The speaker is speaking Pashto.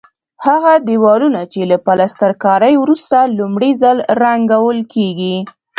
هغه دېوالونه چې له پلسترکارۍ وروسته لومړی ځل رنګول کېږي.